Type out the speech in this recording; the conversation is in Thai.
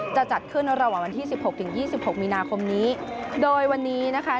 จะจัดขึ้นระหว่างวันที่๑๖ถึง๒๖มีนาคมนี้โดยวันนี้นะคะ